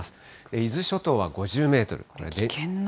伊豆諸島は５０メートル。